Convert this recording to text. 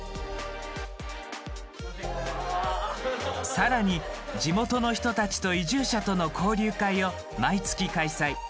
さらに、地元の人たちと移住者との交流会を毎月開催。